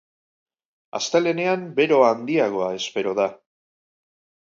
Astelehenean bero handiagoa espero da.